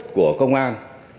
của công an